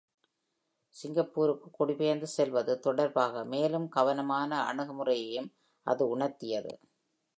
சிங்கப்பூருக்கு குடியெர்ந்து செல்வது தொடர்பாக மேலும் கவனமான அணுகுமுறையையும் அது உணர்த்தியது.